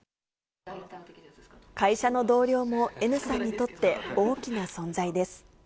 会社の同僚もＮさんにとって、大きな存在です。